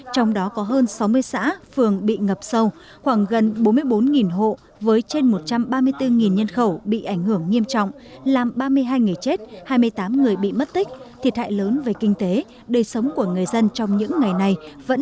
trong đó có hơn sáu mươi xã phường bị ngập sâu khoảng gần bốn mươi bốn hộ với trên một trăm ba mươi bốn nhân khẩu bị ảnh hưởng nghiêm trọng làm ba mươi hai người chết hai mươi tám người bị mất tích thiệt hại lớn về kinh tế đời sống của người dân trong những ngày này